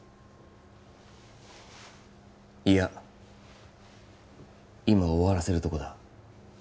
いや今終わらせるとこだ